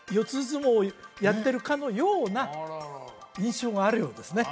相撲やってるかのような印象があるようですね